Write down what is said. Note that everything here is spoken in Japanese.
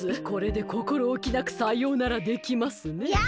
これでこころおきなくさようならできますね。